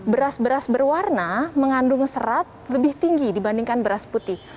beras beras berwarna mengandung serat lebih tinggi dibandingkan beras putih